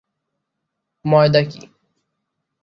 ময়দা কী?